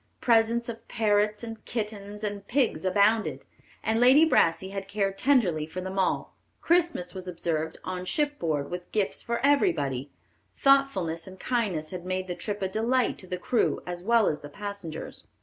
Presents of parrots, and kittens, and pigs abounded, and Lady Brassey had cared tenderly for them all. Christmas was observed on ship board with gifts for everybody; thoughtfulness and kindness had made the trip a delight to the crew as well as the passengers.